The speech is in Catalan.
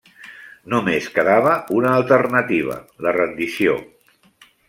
Només quedava una alternativa la rendició.